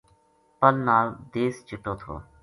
پل نال دیس چِٹو تھو